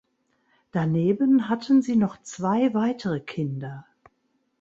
Daneben hatten sie noch zwei weitere Kinder.